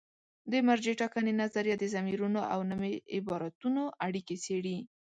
د مرجع ټاکنې نظریه د ضمیرونو او نومي عبارتونو اړیکې څېړي.